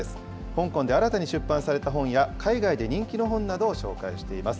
香港で新たに出版された本や海外で人気の本などを紹介しています。